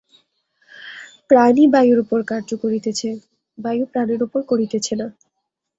প্রাণই বায়ুর উপর কার্য করিতেছে, বায়ু প্রাণের উপর করিতেছে না।